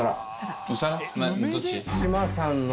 どっち？